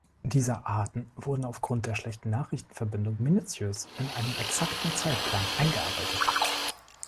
Diese Arten wurden aufgrund der schlechten Nachrichtenverbindungen minutiös in einem exakten Zeitplan eingearbeitet.